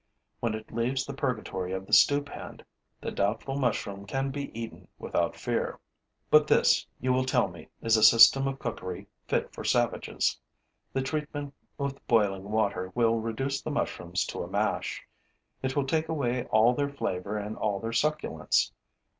When it leaves the purgatory of the stewpan, the doubtful mushroom can be eaten without fear. But this, you will tell me, is a system of cookery fit for savages: the treatment with boiling water will reduce the mushrooms to a mash; it will take away all their flavor and all their succulence.